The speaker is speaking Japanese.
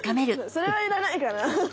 それはいらないかなアハハ。